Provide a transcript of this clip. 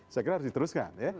saya kira harus diteruskan ya